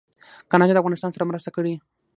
کاناډا د افغانستان سره مرسته کړې.